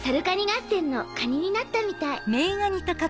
がっせんのカニになったみたい」。